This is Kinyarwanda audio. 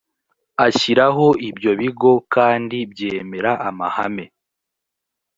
ashyiraho ibyo bigo kandi byemera amahame